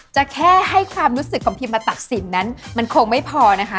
จะแค่ให้ความรู้สึกของพิมมาตัดสินนั้นมันคงไม่พอนะคะ